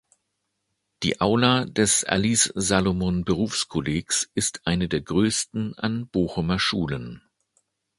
Die Aula des Alice-Salomon-Berufskollegs ist eine der größten an Bochumer Schulen.